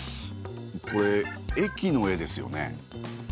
これ駅の絵ですよね。